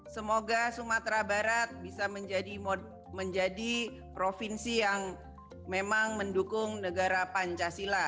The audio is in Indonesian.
semoga sumatera barat bisa menjadi provinsi yang memang mendukung negara pancasila